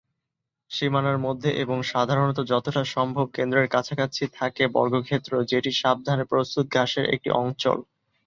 সীমানার মধ্যে এবং সাধারণত যতটা সম্ভব কেন্দ্রের কাছাকাছি, থাকে "বর্গক্ষেত্র", যেটি সাবধানে প্রস্তুত ঘাসের একটি অঞ্চল।